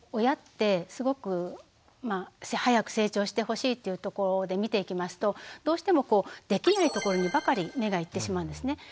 親ってすごく早く成長してほしいっていうところで見ていきますとどうしてもこうできないところにばかり目がいってしまうんですね。